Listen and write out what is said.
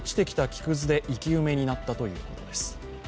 木くずで生き埋めになったということです。